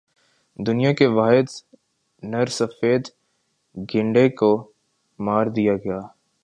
دنیا کے واحد نر سفید گینڈے کو مار دیا گیا